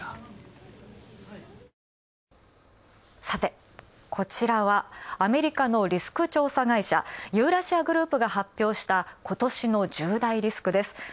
さて、こちらはアメリカのリスク調査会社ユーラシア・グループが発表した今年の１０大リスクです。